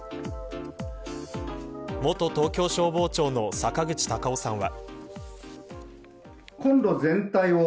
元東京消防庁の坂口隆夫さんは。